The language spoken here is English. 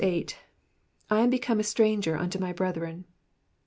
*'/ aw became a stranger unto my brethren.''''